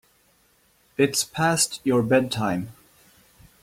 It's past your bedtime.